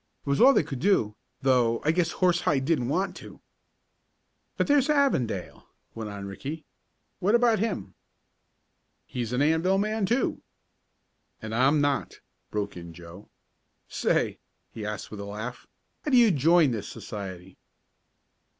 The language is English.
It was all they could do, though I guess Horsehide didn't want to." "But there's Avondale," went on Ricky. "What about him?" "He's an Anvil man, too." "And I'm not," broke in Joe. "Say," he asked with a laugh, "how do you join this society?"